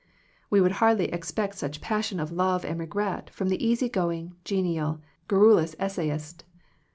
We would hardly expect such passion of love and regret from the easy going, genial, garrulous essayist.